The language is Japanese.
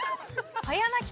早泣き